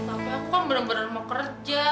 tapi aku kan bener bener mau kerja